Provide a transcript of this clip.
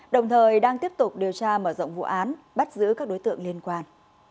đồng thời đang tiếp tục điều tra mở rộng vụ án bắt giữ các đối tượng liên quan